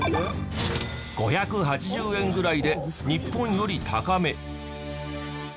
５８０円ぐらいで日本より高め。